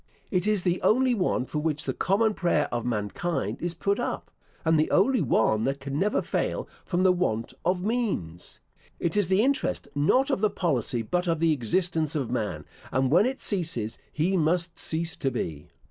It is the only one for which the common prayer of mankind is put up, and the only one that can never fail from the want of means. It is the interest, not of the policy, but of the existence of man, and when it ceases, he must cease to be.